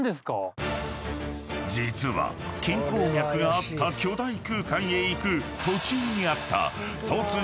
［実は金鉱脈があった巨大空間へ行く途中にあった突如］